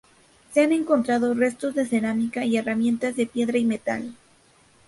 Se han encontrado restos de cerámica y herramientas de piedra y metal.